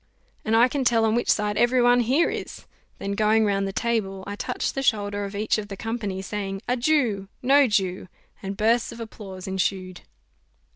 "And I can tell on which side every one here is." Then going round the table, I touched the shoulder of each of the company, saying, "A Jew! No Jew!" and bursts of applause ensued.